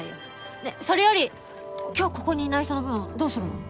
ねえそれより今日ここにいない人の分はどうするの？